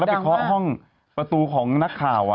ไปเคาะห้องประตูของนักข่าว